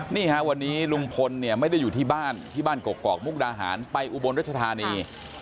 นี่ฮะวันนี้ลุงพลเนี่ยไม่ได้อยู่ที่บ้านที่บ้านกกอกมุกดาหารไปอุบลรัชธานี